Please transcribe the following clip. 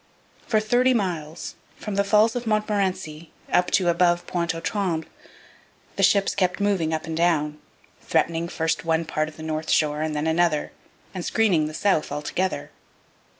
For thirty miles, from the Falls of Montmorency up to above Pointe aux Trembles, the ships kept moving up and down, threatening first one part of the north shore and then another, and screening the south altogether.